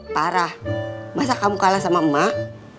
parah masa kamu kalah sama emak